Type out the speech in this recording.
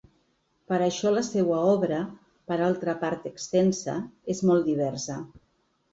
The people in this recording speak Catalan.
Per això la seua obra –per altra part extensa- és molt diversa.